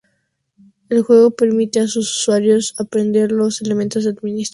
El juego permite a sus usuarios aprender los elementos de administración.